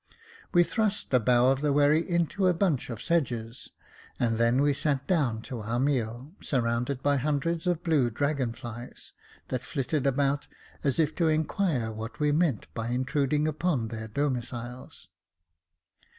We thrust the bow of the wherry into a bunch of sedges, and then we sat down to our meal, surrounded by hundreds of blue dragon flies, that flitted about as if to inquire what we meant by intruding upon their domiciles.